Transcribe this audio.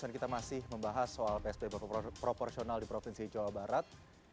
dan kita masih membahas soal psb berproporsional di provinsi jawa barat